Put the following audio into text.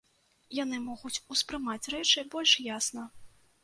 Яны могуць ўспрымаць рэчы больш ясна.